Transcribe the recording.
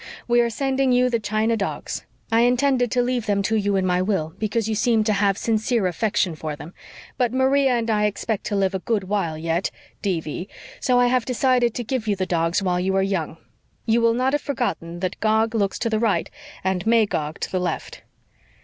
We are sending you the china dogs. I intended to leave them to you in my will, because you seemed to have sincere affection for them. But Maria and I expect to live a good while yet (D.V.), so I have decided to give you the dogs while you are young. You will not have forgotten that Gog looks to the right and Magog to the left."